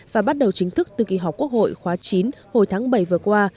và bắt đầu chính thức từ kỳ họp quốc hội khóa chín hồi tháng bảy vừa qua